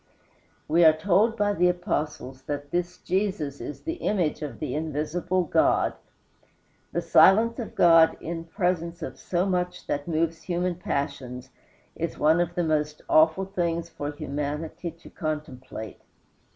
We are told by the Apostles that this Jesus is the image of the invisible God. The silence of God in presence of so much that moves human passions is one of the most awful things for humanity to contemplate.